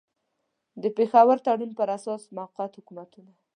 د پېښور تړون پر اساس موقت حکومتونه.